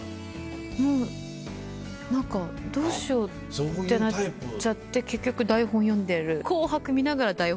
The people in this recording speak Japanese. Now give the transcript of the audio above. もう何かどうしようってなっちゃって結局台本読んでる。